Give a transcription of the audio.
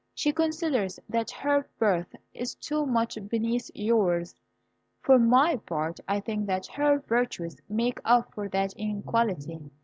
She considers that her birth is too much beneath yours. For my part, I think that her virtues make up for that inequality.